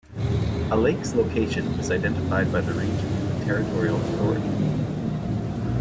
A lake's location is identified by the region and the territorial authority.